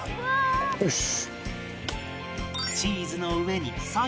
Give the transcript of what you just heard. よし！